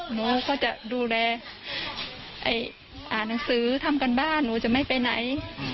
หนูก็จะดูแลอ่านหนังสือทำการบ้านหนูจะไม่ไปไหน